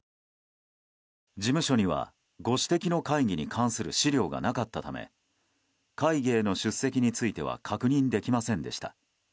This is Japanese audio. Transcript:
事務所にはご指摘に関する資料がなかったため会議への出席については確認できませんでした。